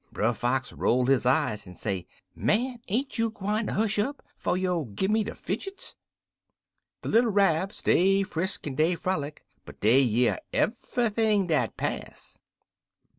"Brer Fox roll his eye en say, 'Man, ain't you gwine ter hush up, 'fo' you gi' me de fidgets?' "Der little Rabs dey frisk en dey frolic, but dey hear ev'ything dat pass.